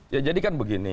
ya jadi kan begini